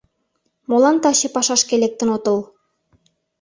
Молан таче пашашке лектын отыл?